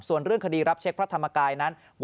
ส่วนเรื่องคดีรับเช็คพระธรรมกายนั้น